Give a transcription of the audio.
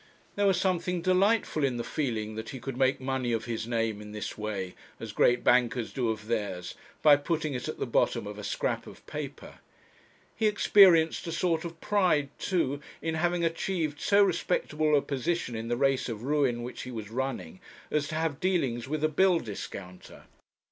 There was something delightful in the feeling that he could make money of his name in this way, as great bankers do of theirs, by putting it at the bottom of a scrap of paper. He experienced a sort of pride too in having achieved so respectable a position in the race of ruin which he was running, as to have dealings with a bill discounter.